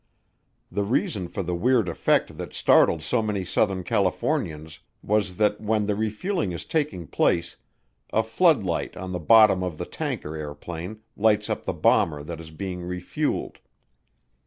The reason for the weird effect that startled so many Southern Californians was that when the refueling is taking place a floodlight on the bottom of the tanker airplane lights up the bomber that is being refueled.